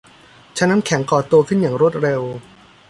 ชั้นน้ำแข็งก่อตัวขึ้นอย่างรวดเร็ว